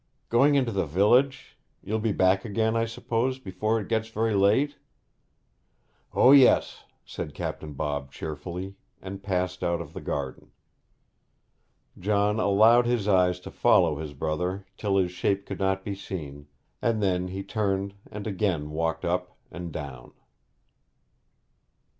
'Going into the village? You'll be back again, I suppose, before it gets very late?' 'O yes,' said Captain Bob cheerfully, and passed out of the garden. John allowed his eyes to follow his brother till his shape could not be seen, and then he turned and again walked up and down.